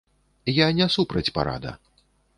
Я не супраць парада.